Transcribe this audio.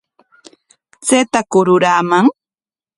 ¿Chaytaku ruraaman?